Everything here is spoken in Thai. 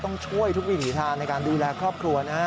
ต้องช่วยทุกวิถีทางในการดูแลครอบครัวนะฮะ